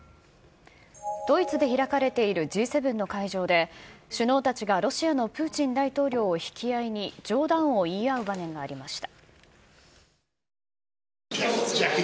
ドイツで開かれているＧ７の会場で、首脳たちがロシアのプーチン大統領を引き合いに冗談を言い合う場面がありました。